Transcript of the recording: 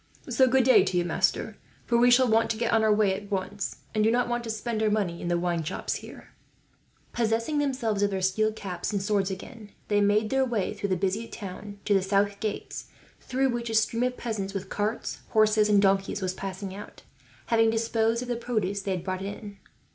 So good day to you, master, for we shall get on our way at once, and do not want to spend our money in the wine shops here." Possessing themselves of their steel caps and swords again, they made their way through the busy town to the south gates; through which a stream of peasants, with carts, horses, and donkeys was passing out, having disposed of the produce they had brought in.